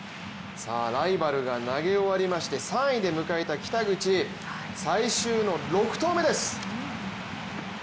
ライバルが投げ終わりまして、３位で迎えた北口、最終の６投目です